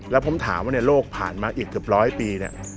และผมถามว่าโลกผ่านมาอีกถึง๑๐๐ปีเนี่ย